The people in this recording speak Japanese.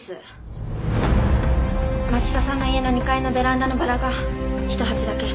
真柴さんの家の２階のベランダのバラが一鉢だけ。